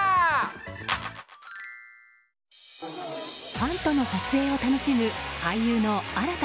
ファンとの撮影を楽しむ俳優の新田